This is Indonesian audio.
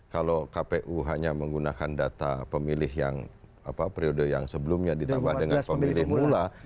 kalau kpu hanya menggunakan data pemilih yang periode yang sebelumnya ditambah dengan pemilih mula